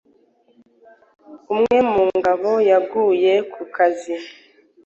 umwe mugabo yaguye kukazi